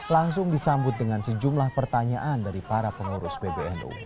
langsung disambut dengan sejumlah pertanyaan dari para pengurus pbnu